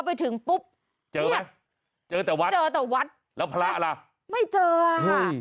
ไปถึงปุ๊บเจอไหมเจอแต่วัดเจอแต่วัดแล้วพระล่ะไม่เจอเฮ้ย